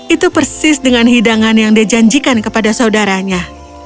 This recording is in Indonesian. itu persis dengan hidangan yang dia janjikan kepada saudaranya